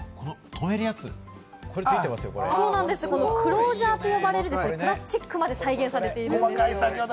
クロージャーと呼ばれるプラスチックまで再現されているんです。